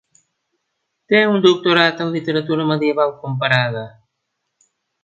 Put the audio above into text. Té un doctorat en literatura medieval comparada.